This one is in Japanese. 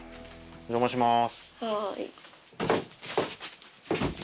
お邪魔します。